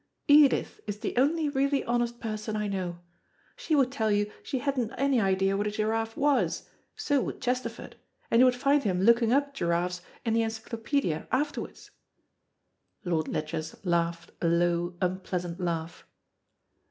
Edith is the only really honest person I know. She would tell you she hadn't any idea what a giraffe was, so would Chesterford, and you would find him looking up giraffes in the Encyclopædia afterwards." Lord Ledgers laughed a low, unpleasant laugh.